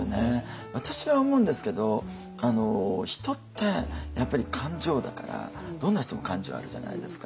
私は思うんですけど人ってやっぱり感情だからどんな人も感情あるじゃないですか。